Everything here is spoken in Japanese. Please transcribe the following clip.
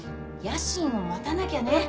野心を持たなきゃね。